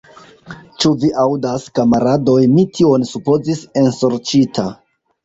Ĉu vi aŭdas, kamaradoj, mi tion supozis, ensorĉita!